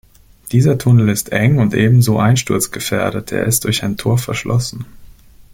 Dieser Tunnel ist eng und ebenso einsturzgefährdet, er ist durch ein Tor verschlossen.